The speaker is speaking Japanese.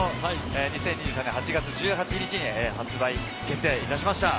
８月１８日に発売決定いたしました！